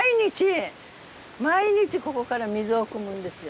毎日ここから水をくむんですよ。